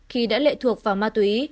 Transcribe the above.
khi đã lệ thuộc vào ma túy